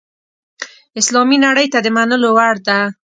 اسلامي نړۍ ته د منلو وړ ده.